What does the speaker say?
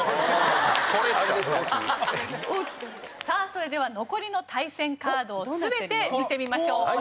さあそれでは残りの対戦カードを全て見てみましょう。